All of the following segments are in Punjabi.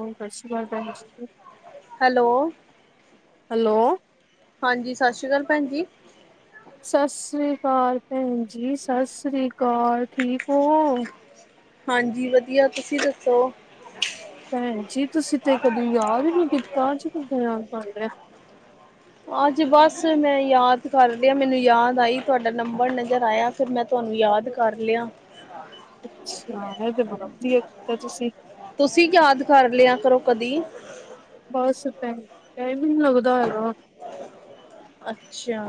ਹੁਣ ਸਤਿ ਸ਼੍ਰੀ ਅਕਾਲ ਭੇਣ ਜੀ ਹੈਲੋ ਹੈਲੋ ਹਾਂਜੀ। ਸਤਿ ਸ਼੍ਰੀ ਅਕਾਲ ਭੈਣ ਜੀ। ਸਤਿ ਸ੍ਰੀ ਅਕਾਲ ਭੈਣ ਜੀ, ਸਤਿ ਸ੍ਰੀ ਅਕਾਲ ਠੀਕ ਹੋ ਹਾਂਜੀ ਵਧੀਆ ਤੁਸੀਂ ਦੱਸੋ ਭੈਣ ਜੀ ਤੁਸੀਂ ਤੇ ਕਦੀ ਯਾਦ ਨੀ ਕੀਤਾ ਅਜ ਕਿਦਾ ਯਾਦ ਕਰ ਲਿਆ। ਅੱਜ ਬਸ ਮੈਂ ਯਾਦ ਕਰ ਰਿਹਾ ਮੈਨੂੰ ਯਾਦ ਆਈ ਤੁਹਾਡਾ ਨੰਬਰ ਨਜ਼ਰ ਆਇਆ- ਫਿਰ, ਮੈਂ ਤੁਹਾਨੂੰ ਯਾਦ ਕਰ ਲਿਆ। ਅੱਛਾ, ਇਹ ਤੇ ਬੜਾ ਵਧੀਆ ਕੀਤਾ ਤੁਸੀਂ ਤੁਸੀਂ ਯਾਦ ਕਰ ਲਿਆ ਕਰੋ ਕਦੀ ਬਸ ਭੈਣ ਜੀ, ਟਾਈਮ ਹੀ ਨਈ ਲੱਗਦਾ ਹੈਗਾ। ਅੱਛਾ,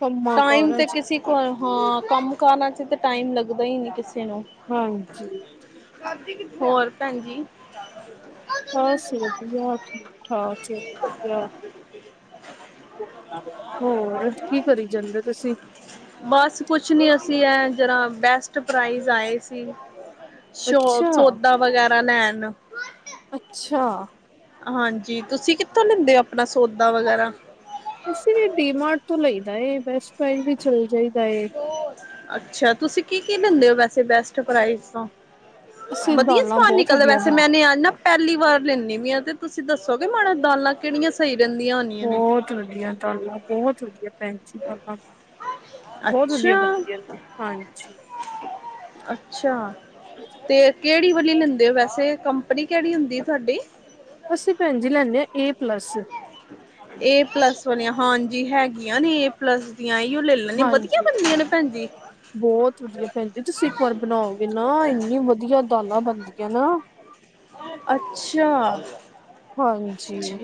ਕੰਮਾਂ ਟਾਈਮ ਕਾਰਾਂ ਤੇ ਚ ਕਿਸੀੇ ਹਾਂ, ਕੰਮ ਕਾਰਾ ਚ ਤਾਂ ਟਾਈਮ ਲੱਗਦਾ ਹੀ ਨਈ ਕਿਸੇ ਨੂੰ ਹਾਂਜੀ। ਹੋਰ ਭੈਣਜੀ। ਬਸ, ਵਧੀਆ ਠੀਕ ਠਾਕ ਏ, ਵਦੀਆ ਹੋਰ ਕੀ ਕਰੀ ਜਾਂਦੇ ਤੁਸੀਂ ਬਸ ਕੁਛ ਨਈ ਅਸੀਂ ਅਹਿ ਜ਼ਰਾ ਬੈਸਟ ਪ੍ਰਾਈਜ਼ ਆਏ ਸੀ। ਅੱਛਾ ਸ਼ੋਪ ਸੌਦਾ ਵਗੈਰਾ ਲੈਣ ਅੱਛਾ। ਹਾਂਜੀ, ਤੁਸੀਂ ਕਿੱਥੋਂ ਲੈਂਦੇ ਹੋ ਆਪਣਾ ਸੌਦਾ ਵਗੈਰਾ? ਅਸੀ ਵੀ ਡੀਮਾਰਟ ਤੋਂ ਲਈਦਾ ਇਹ ਬੈਸਟ ਪ੍ਰਾਈਜ ਵੀ ਚੱਲਦੇ। ਅੱਛਾ, ਤੁਸੀਂ ਕੀ- ਕੀ ਲੈਂਦੇ ਹੋ, ਵੈਸੇ ਬਸਟ ਪ੍ਰਾਈਜ ਤੋਂ ਅਸੀਂ ਵਧੀਆ ਦਾਲਾਂ ਸਮਾਨ ਬਹੁਤ ਨਿਕਲਦਾ ਵਧੀਆ ਵੈਸੇ ਬਣ ਮੈਂਨੇ ਆ ਨਾ ਪਹਿਲੀ ਵਾਰ ਲੈਂਦੀ ਵੀ ਆ, ਤੇ ਤੁਸੀਂ ਦੱਸੋਗੇ ਮਾੜਾ ਦਾਲਾਂ ਕਿਹੜੀਆਂ ਸਹੀ ਰਹਿੰਦੀਆਂ ਹੋਦੀਆਂ ਨੇ। ਬਹੁਤ ਵਧੀਆ ਦਾਲਾਂ ਬਹੁਤ ਵਧੀਆ। ਭੈਣ ਜੀ, ਦਾਲਾਂ ਬਹੁਤ ਵਧੀਆ ਅੱਛਾ ਬਣਦੀਆਂ ਹਾਂਜੀ। ਅੱਛਾ। ਤੇ ਕਿਹੜੀ ਵਾਲੀ ਲੈਂਦੇ ਹੋ ਵੈਸੇ ਕੰਪਨੀ ਕਿਹੜੀ ਹੁੰਦੀ ਤੁਹਾਡੀ ਅਸੀਂ ਭੈਣ ਜੀ ਲੈਂਦੇ ਹਾਂ ਏ ਪਲੱਸ ਏ ਪਲੱਸ ਵਾਲੀਆਂ ਹਾਂਜੀ ਹੈਗੀਆਂ ਨੇ ਏ ਪਲੱਸ ਦੀਆਂ ਅਇਓ ਲੈ ਨਈ ਵਧੀਆ ਹਾਂਜੀ ਬੰਦੀਆਂ ਨੇ ਭੈਣਜੀ ਬਹੁਤ ਵਧੀਆ ਭੈਣ ਜੀ ਤੁਸੀਂ ਇੱਕ ਵਾਰ ਬਣਾਓਗੇ ਨਾ ਇੰਨੀ ਵਧੀਆ ਦਾਲਾਂ ਬਣਦੀਆਂ ਨਾ ਅੱਛਾ। ਹਾਂਜੀ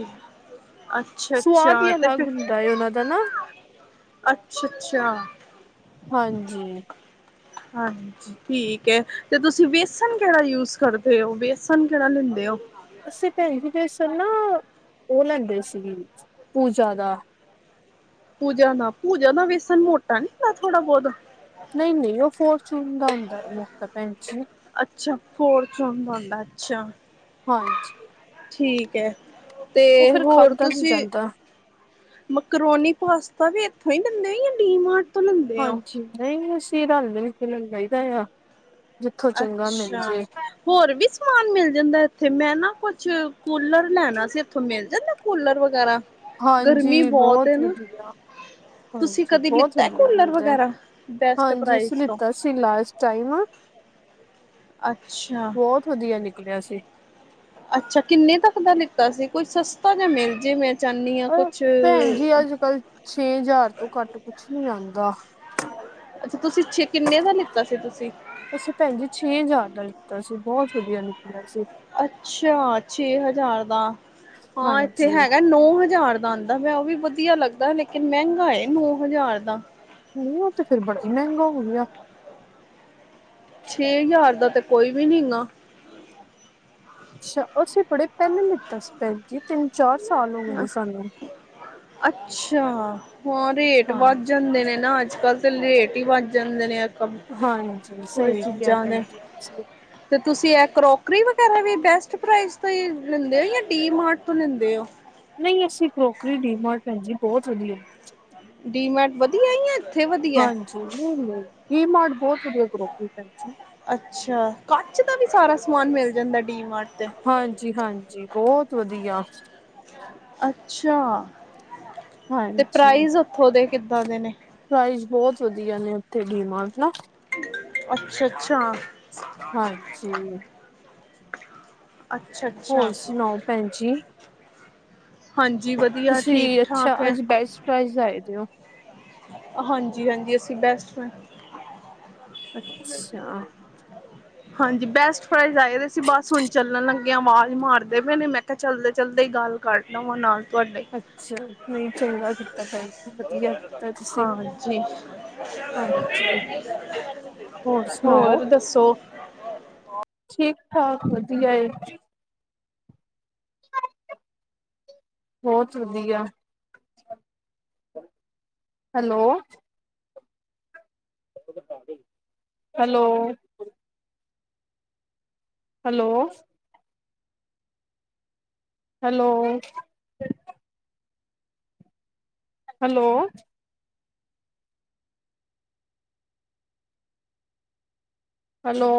ਅੱਛਾ- ਅੱਛਾ ਸਵਾਦ ਹੀ ਤੇ ਅਲੱਗ ਫੇਰ ਹੁੰਦਾ ਏ ਉਹਨਾਂ ਦਾ ਨਾ ਅੱਛਾ- ਅੱਛਾ। ਹਾਂਜੀ। ਹਾਂਜੀ। ਠੀਕ ਹੈ ਤੇ ਤੁਸੀਂ ਵੇਸਣ ਕਿਹੜਾ ਯੂਜ ਕਰਦੇ ਹੋ? ਵੇਸਨ ਕਿਹੜਾ ਲੈਂਦੇ ਹੋ? ਅਸੀਂ ਭੈਣ ਜੀ ਵੈਸਨ ਨਾ ਉਹ ਲੈਂਦੇ ਸੀ ਪੂਜਾ ਦਾ। ਪੂਜਾ ਦਾ ਪੂਜਾ ਦਾ ਵੇਸਨ ਮੋਟਾ ਨੀ ਹੁੰਦਾ ਥੋੜਾ ਬਹੁਤ। ਨਹੀਂ- ਨਹੀਂ ਉਹ ਫੋਰਚੂਨ ਦਾ ਹੁੰਦਾ ਮੋਟਾ ਭੈਣਜੀ। ਅੱਛਾ ਫੋਰਚੂਨ ਬਣਦਾ ਅੱਛਾ। ਹਾਂਜੀ। ਠੀਕ ਹੈ ਤੇ ਉਹ ਫਿਰ ਹੋਰ ਖਾਧਾ ਨੀ ਤੁਸੀਂ। ਜਾਂਦਾ ਮਕਰੋਨੀ ਪਾਸਤਾ ਵੀ ਇਥੋਂ ਹੀ ਮਿਲਣੇ ਕਿ ਡੀ ਮਾਰਟ ਹਾਂਜੀ ਨਹੀਂ ਅਸੀਂ ਰਲ ਮਿਲ ਕੇ ਲੈ ਹੀਦਾ ਆ। ਜਿ ਉੱਥੋਂ ਚੰਗਾ ਮਿਲ ਅੱਛਾ ਜੇ। ਹੋਰ ਵੀ ਸਮਾਨ ਮਿਲ ਜਾਂਦਾ ਇੱਥੇ ਮੈਂ ਨਾ ਕੁਛ ਕੂਲਰ ਲੈਣਾ ਸੀ ਇੱਥੋਂ ਮਿਲ ਜਾਂਦਾ। ਕੂਲਰ ਵਗੈਰਾ ਗਰਮੀ ਹਾਂਜੀ ਬਹੁਤ ਨਾ। ਵਧੀਆ ਤੁਸੀਂ ਹਾਂਜੀ ਕਦੀ ਬਹੁਤ ਲਿੱਤਾ ਵਧੀਆ ਕੂਲਰ ਮਿਲਦਾ ਵਗੈਰਾ ਬੈਸਟ ਪ੍ਰਾਈਜ਼ ਤੋਂ। ਅਸੀ ਲਾਸਟ ਟਾਈਮ। ਅੱਛਾ। ਬਹੁਤ ਵਧੀਆ ਨਿਕਲਿਆ ਸੀ। ਅੱਛਾ ਕਿੰਨੇ ਤੱਕ ਦਾ ਲਿੱਤਾ ਸੀ ਕੋਈ ਸਸਤਾ ਜਾ ਮਿਲ ਜੇ ਫੇਰ ਅ ਭੈਣ ਜੀ ਅੱਜ ਕੱਲ ਛੇ ਹਜ਼ਾਰ ਤੋਂ ਘੱਟ ਕੁਛ ਨੀ ਆਉਂਦਾ। ਅੱਛਾ ਤੁਸੀਂ ਛੇ ਕਿੰਨੇ ਦਾ ਲਿੱਤਾ ਸੀ ਤੁਸੀਂ। ਅਸੀਂ ਭੈਣ ਜੀ ਛੇ ਹਜ਼ਾਰ ਦਾ ਲਿੱਤਾ ਸੀ ਬਹੁਤ ਵਧੀਆ ਨਿਕਲਿਆ ਸੀ। ਅੱਛਾ ਛੇ ਹਜ਼ਾਰ ਦਾ ਹਾਂ ਇੱਥੇ ਹਾਂਜੀ ਹੈਗਾ ਨੌ ਹਜ਼ਾਰ ਦਾ ਆਂਦ। ਆਂਦਾ ਪਿਆ ਉਹ ਵੀ ਵਧੀਆ ਲੱਗਦਾ ਲੇਕਿਨ ਮਹਿੰਗਾ ਨੋ ਹਜ਼ਾਰ ਦਾ। ਨਹੀਂ ਉਹ ਤੇ ਫੇਰ ਬੜਾ ਹੀ ਮਹਿੰਗਾ ਹੋ ਗਿਆ। ਛੇ ਹਜ਼ਾਰ ਦਾ ਤੇ ਕੋਈ ਵੀ ਨੀਗਾ। ਅੱਛਾ ਅਸੀਂ ਬੜੇ ਪਹਿਲਾਂ ਲਿਤਾ ਸੀ ਭੈਣ ਜੀ ਤਿੰਨ ਚਾਰ ਸਾਲ ਹੋ ਗਏ ਨੇ ਸਾਨੂੰ। ਅੱਛਾ ਹਾਂ ਰੇਟ ਵੱਧ ਹਾਂਜੀ ਜਾਂਦੇ ਨੇ ਨਾ ਅੱਜ ਅੱਜ ਕੱਲ੍ਹ ਤਾਂ ਲੇਟ ਹੀ ਬਧ ਜਾਂਦੇ ਨੇ ਆ ਕ ਹਾਂਜੀ ਕੋਈ ਸਹੀ ਕਿਹਾ ਚੀਜ਼ਾਂ ਭੈਣ ਦੇ। ਜੀ ਤੁਸੀਂ ਤੇ ਤੁਸੀ ਇਹ ਕਰੋਕਰੀ ਵਗੈਰਾ ਵੀ ਬੈਸਟ ਪ੍ਰਾਈਜ਼ ਤੋਂ ਲੈਂਦੇ ਹੋ ਜਾਂ ਡੀ ਮਾਰਟ ਤੋਂ ਲੈਂਦੇ ਹੋ। ਨਹੀਂ ਅਸੀਂ ਕਰੋਕਰੀ ਡੀਮਾਰਟ ਭੈਣ ਜੀ ਬਹੁਤ ਵਧੀਆ। ਮਿਲਦੀ। ਡੀਮਾਰਟ ਵਧੀਆ ਹੀ ਆ ਜਾ ਇੱਥੇ ਵਧੀਆ। ਜੀ ਨਹੀ ਨਹੀ ਕੀ ਮਾਰਟ ਬਹੁਤ ਵਧੀਆ ਕਰੋਕਰੀ ਭੈਣ ਜੀ। ਅੱਛਾ ਕੱਚ ਦਾ ਵੀ ਸਾਰਾ ਸਮਾਨ ਮਿਲ ਜਾਂਦਾ ਡੀ ਮਾਰਟ ਤੇ। ਹਾਂਜੀ ਹਾਂਜੀ ਬਹੁਤ ਵਧੀਆ। ਅੱਛਾ। ਤੇ ਹਾਂਜੀ ਪ੍ਰਾਈਜ਼ ਉੱਥੋਂ ਦੇ ਕਿੱਦਾਂ ਦੇ ਨੇ? ਪ੍ਰਾਈਜ਼ ਬਹੁਤ ਵਧੀਆ ਨੇ ਉੱਥੇ ਗੀਮਾਰਟ ਨਾ। ਅੱਛਾ ਅੱਛਾ। ਹਾਂਜੀ ਅੱਛਾ ਜੀ ਹੋਰ ਸੁਣਾਓ ਭੈਣ ਜੀ। ਹਾਂਜੀ ਵਧੀਆ। ਠੀਕ ਤੁਸੀਂ ਅੱਛਾ ਠਾਕ ਹੈ। ਅੱਜ ਬੈਸਟ ਪ੍ਰਾਈਜ਼ ਆਏ ਦਿ ਹੋ। ਹਾਂਜੀ ਹਾਂਜੀ ਅਸੀਂ ਬੈਸਟ ਹਾਂ। ਅੱਛਾਹ। ਹਾਂਜੀ ਬੈਸਟ ਫਾਈਜ਼ ਆਏ ਵੀ ਸੀ ਬਸ ਹੁਣ ਚੱਲਣ ਲੱਗੇ ਆਵਾਜ਼ ਮਾਰਦੇ ਪਏ ਨੇ ਮੈਂ ਕਿਹਾ ਚੱਲਦੇ ਚੱਲਦੇ ਹੀ ਗੱਲ। ਕਰ ਲਵਾਂ ਨਾਲ ਤੁਹਾਡੇ ਅੱਛਾ। ਨਹੀਂ ਚੰਗਾ ਕੀਤਾ ਭੈਣ ਜੀ ਵਧੀਆ ਕੀਤਾ ਤੁਸੀਂ ਹਾਂਜੀ। ਹਾਂਜੀ। ਹੋਰ ਦੱਸੋ। ਠੀਕ ਠਾਕ ਵਧੀਆ ਏ ਬਹੁਤ ਵਧੀਆ। Hello. Hello. Hello hello hello hello